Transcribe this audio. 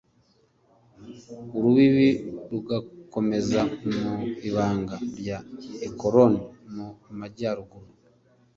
urubibi rugakomeza mu ibanga rya ekironi mu majyaruguru